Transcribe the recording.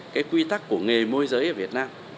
cái quy tắc của nghề môi giới ở việt nam